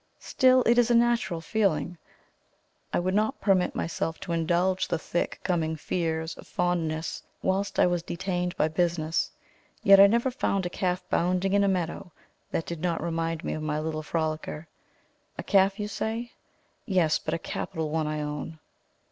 still it is a natural feeling. I would not permit myself to indulge the "thick coming fears" of fondness, whilst I was detained by business. Yet I never saw a calf bounding in a meadow, that did not remind me of my little frolicker. A calf, you say. Yes; but a capital one I own.